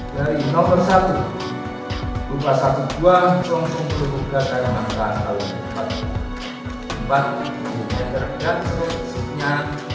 dari nomor satu rupa satu dua langsung berhubungan dengan rangka empat empat yang tergantung sebetulnya